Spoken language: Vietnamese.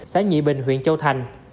xã nhị bình huyện châu thành